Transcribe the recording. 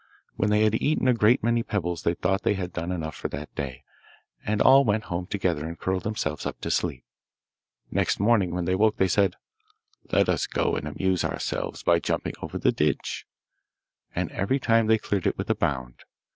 When they had eaten a great many pebbles they thought they had done enough for that day, and all went home together and curled themselves up to sleep. Next morning when they woke they said, 'Let us go and amuse ourselves by jumping over the ditch,' and every time they cleared it with a bound.